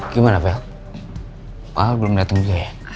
gimana vel pak al belum dateng juga ya